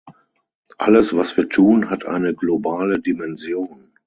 Alles, was wir tun, hat eine globale Dimension.